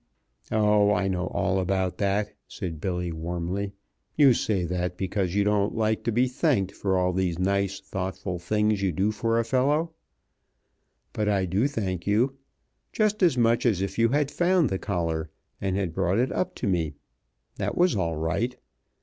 "Oh, I know all about that," said Billy, warmly. "You say that because you don't like to be thanked for all these nice, thoughtful things you do for a fellow. But I do thank you just as much as if you had found the collar and had brought it up to me. That was all right.